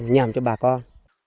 nhảm cho bà con